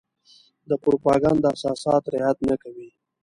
د پروپاګنډ اساسات رعايت نه کوي.